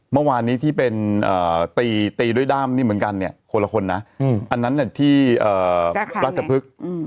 เมื่อวานนี้ที่เป็นตีด้วยด้ามนี่เหมือนกันเนี่ยคนละคนนะอันนั้นที่ราชพฤกษ์